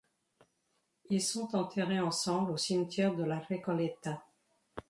Ils sont enterrés ensemble au cimetière de La Recoleta.